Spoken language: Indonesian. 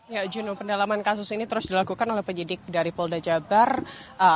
ya juno pendalaman kasus ini terus dilakukan oleh penyidik dari polda jabar